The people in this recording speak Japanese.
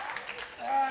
はい。